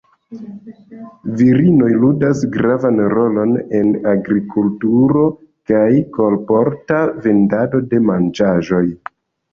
Virinoj ludas gravan rolon en agrikulturo kaj kolporta vendado de manĝaĵoj.